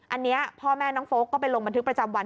อันนี้พ่อแม่น้องโฟลกก็ไปลงบันทึกประจำวัน